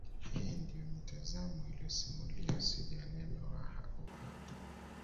Hii ndiyo mitazamo iliyosimulia asili ya neno Waha au Ha